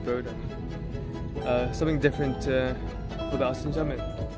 ada yang berbeda dengan asean jammet